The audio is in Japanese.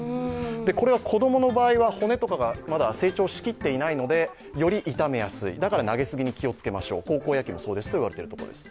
これは子供の場合は骨とかが成長しきっていないのでより痛めやすい、なので投げすぎに気をつけましょう、高校野球でも言われています。